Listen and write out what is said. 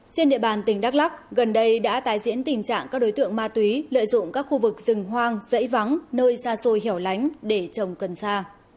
trên địa bàn tỉnh đắk lắc gần đây đã tái diễn tình trạng các đối tượng ma túy lợi dụng các khu vực rừng hoang dãy vắng nơi xa xôi hẻo lánh để trồng cần sa